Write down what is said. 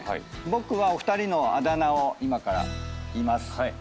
僕はお二人のあだ名を今から言います。